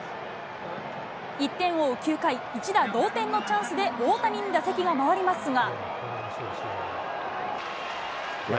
１点を追う９回、一打同点のチャンスで大谷に打席が回りますが。